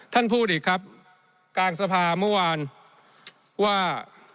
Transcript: ท่านพูดอีกครับกลางสภาเมื่อวานว่า